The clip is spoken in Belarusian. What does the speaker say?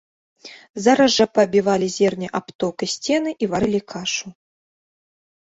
Зараз жа паабівалі зерне аб ток і сцены і варылі кашу.